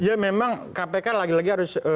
ya memang kpk lagi lagi harus